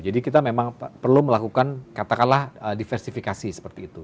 jadi kita memang perlu melakukan katakanlah diversifikasi seperti itu